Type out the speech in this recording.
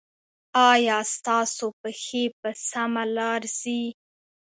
ایا ستاسو پښې په سمه لار ځي؟